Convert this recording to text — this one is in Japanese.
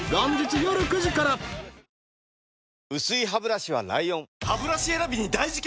薄いハブラシは ＬＩＯＮハブラシ選びに大事件！